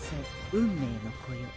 運命の子よ」